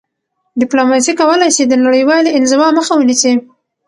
ډیپلوماسي کولای سي د نړیوالي انزوا مخه ونیسي..